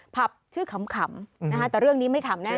ผับชื่อขำนะคะแต่เรื่องนี้ไม่ขำแน่